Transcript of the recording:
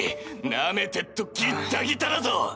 なめてっとギッタギタだぞっ